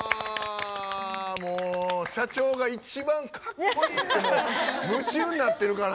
社長が一番「かっこいい」って夢中になってるから。